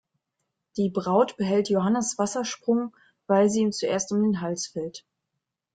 Die Braut behält Johannes-Wassersprung, weil sie ihm zuerst um den Hals fällt.